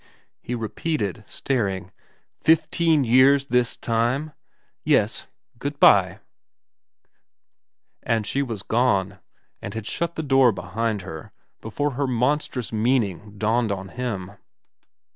He repeated, staring, ' Fifteen years this time ?* VERA 357 ' Yes. Good bye.' And she was gone, and had shut the door behind her before her monstrous meaning dawned on him.